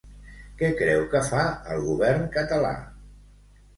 Què creu que fa el govern català?